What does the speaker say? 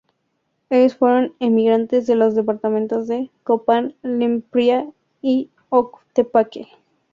Ellos fueron emigrantes de los departamentos de: Copán, Lempira y Ocotepeque.